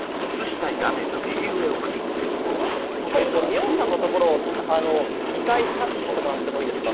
ミオンさんのところを２回タッチしてもらってもいいですか？